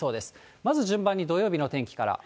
まず順番に土曜日の天気から。